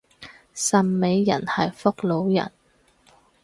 汕尾人係福佬人